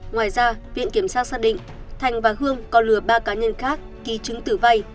ngoài ra viện kiểm sát xác định thành và hương còn lừa ba cá nhân khác ký chứng tử vay